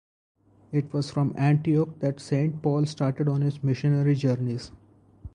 It was from Antioch that Saint Paul started on his missionary journeys.